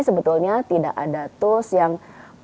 sebetulnya tidak ada tools yang